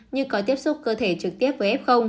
như có tiếp xúc cơ thể trực tiếp với f